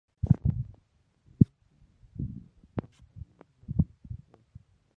Y justo en el centro de la pared hay un Reloj muy especial.